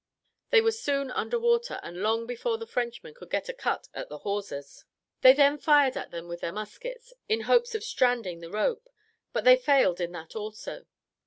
They were soon under water, and long before the Frenchmen could get a cut at the hawsers. They then fired at them with their muskets, in hopes of stranding the rope, but they failed in that also.